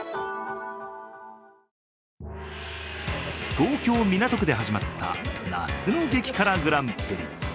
東京・港区で始まった夏の激辛グランプリ。